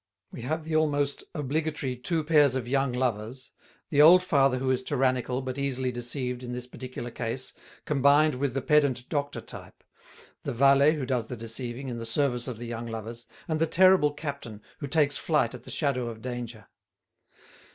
We have the almost obligatory two pairs of young lovers; the old father who is tyrannical but easily deceived in this particular case combined with the pedant doctor type; the valet who does the deceiving, in the service of the young lovers; and the terrible captain, who takes flight at the shadow of danger.